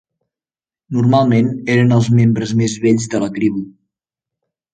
Normalment eren els membres més vells de la tribu.